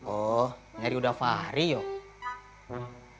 oh nyari udah fahri yuk